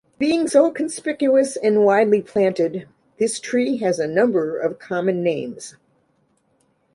Being so conspicuous and widely planted, this tree has a number of common names.